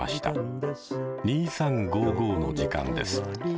「２３５５」の時間です。